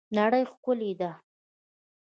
نړۍ ښکلې ده